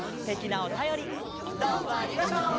どうもありがとう！